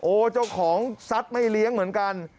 โอ้วเจ้าของศัตรรย์ไม่เลี้ยงเหมือนกัน